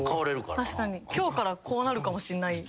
今日からこうなるかもしんない。